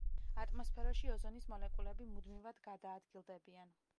ატმოსფეროში ოზონის მოლეკულები მუდმივად გადაადგილდებიან.